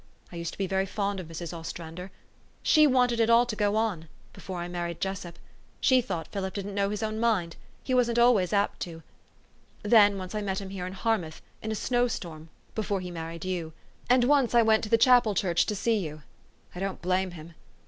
I used to be very fond of Mrs. Ostrander. She wanted it all to go on before I married Jes sup : she thought Philip didn't know his mind he wasn't always apt to. Then, once I met him here in Harmouth, in a snow storm, before he married you. And once I went to the chapel church to see 3 T ou. I don't blame him.